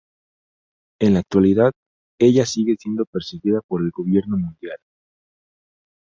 En la actualidad, ella sigue siendo perseguida por el Gobierno Mundial.